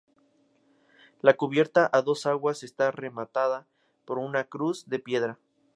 La cubierta, a dos aguas, está rematada por una cruz de piedra.